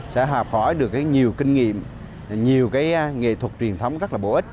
sẽ học hỏi được nhiều kinh nghiệm nhiều cái nghệ thuật truyền thống rất là bổ ích